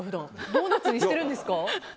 ドーナツにしてるんですか？